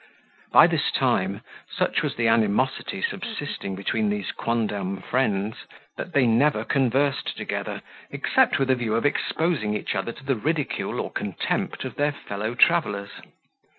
By this time, such was the animosity subsisting between these quondam friends, that they never conversed together, except with a view of exposing each other to the ridicule or contempt of their fellow travellers.